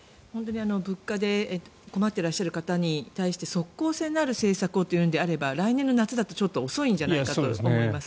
物価で困っていらっしゃる方に即効性のある政策をということだと来年の夏だとちょっと遅いんじゃないかと思います。